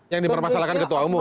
yang dipermasalahkan ketua umum